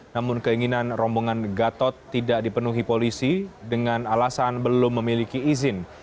namun keinginan rombongan gatot tidak dipenuhi polisi dengan alasan belum memiliki izin